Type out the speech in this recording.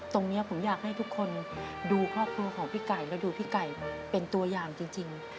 ตรงนี้ผมอยากให้ทุกคนดูครอบครัวของพี่ไก่และดูพี่ไก่เป็นตัวอย่างจริง